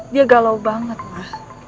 dia galau banget ma